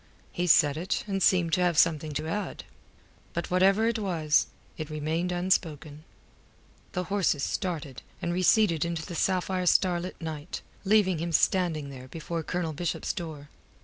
He said it, and seemed to have something to add. But whatever it was, it remained unspoken. The horses started, and receded into the sapphire starlit night, leaving him standing there before Colonel Bishop's door.